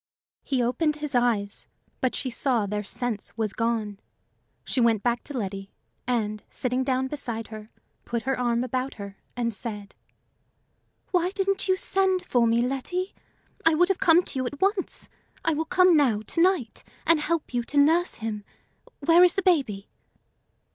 He opened his eyes, but she saw their sense was gone. She went back to Letty, and, sitting down beside her, put her arm about her, and said: "Why didn't you send for me, Letty? I would have come to you at once. I will come now, to night, and help you to nurse him. Where is the baby?"